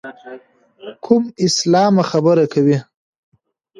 کوم اسلامه خبرې کوې.